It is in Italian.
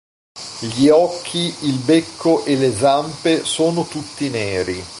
Gli occhi, il becco e le zampe sono tutti neri.